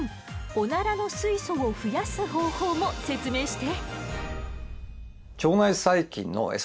オナラの水素を増やす方法も説明して！